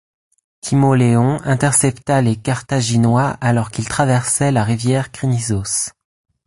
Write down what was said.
Timoléon intercepta les Carthaginois alors qu'ils traversaient la rivière Crinisos.